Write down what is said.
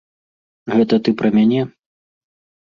Гэта ты пра мяне?